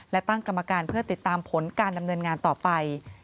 และตั้งกรรมการเพื่อติดตามผลการดำเนินงานต่อไป